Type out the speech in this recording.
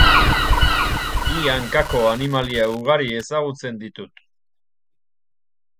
Bi hankako animalia ugari ezagutzen ditut.